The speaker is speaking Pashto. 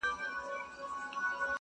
دنظم عنوان دی قاضي او څارنوال,